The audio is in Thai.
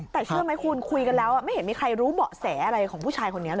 แต่เชื่อไหมคุณคุยกันแล้วไม่เห็นมีใครรู้เบาะแสอะไรของผู้ชายคนนี้